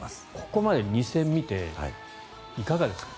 ここまで２戦見ていかがですか？